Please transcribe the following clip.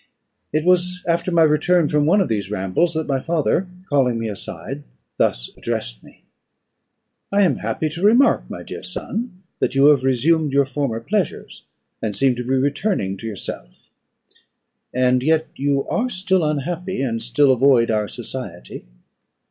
It was after my return from one of these rambles, that my father, calling me aside, thus addressed me: "I am happy to remark, my dear son, that you have resumed your former pleasures, and seem to be returning to yourself. And yet you are still unhappy, and still avoid our society.